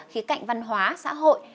khía cạnh văn hóa xã hội